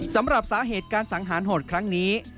สำหรับสาเหตุการสังหารโหดครั้งนี้